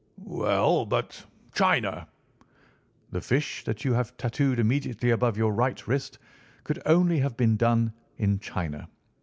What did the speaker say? "Well, but China?" "The fish that you have tattooed immediately above your right wrist could only have been done in China.